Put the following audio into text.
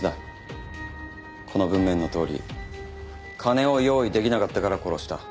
この文面のとおり金を用意できなかったから殺した。